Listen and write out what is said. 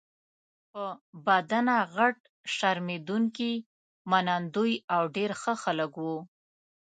په بدنه غټ، شرمېدونکي، منندوی او ډېر ښه خلک وو.